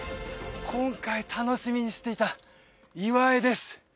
今回楽しみにしていた岩絵です